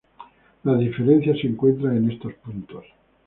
Las diferencias se encuentran en estos puntos.